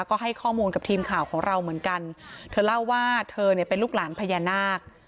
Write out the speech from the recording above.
ก็ให้ข้อมูลกับทีมข่าวของเราเหมือนกันเธอเล่าว่าเธอเนี่ยเป็นลูกหลานพญานาค